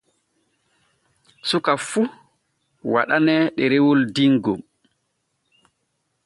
Suka fun waɗaane ɗerewol dingol.